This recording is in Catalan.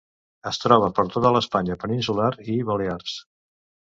Es troba per tota l'Espanya peninsular i Balears.